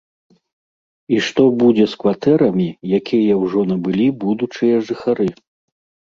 І што будзе з кватэрамі, якія ўжо набылі будучыя жыхары?